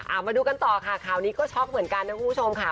เอามาดูกันต่อค่ะข่าวนี้ก็ช็อกเหมือนกันนะคุณผู้ชมค่ะ